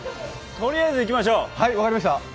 とりあえずいきましょう。